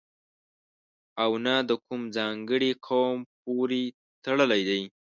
او نه د کوم ځانګړي قوم پورې تړلی دی.